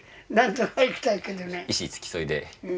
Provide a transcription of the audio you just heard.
医師付き添いで。